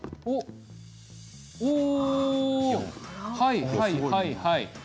はい、はい、はい、はい。